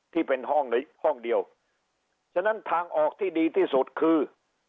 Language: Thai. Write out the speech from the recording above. ที่เป็นห้องหรือห้องเดียวฉะนั้นทางออกที่ดีที่สุดคือ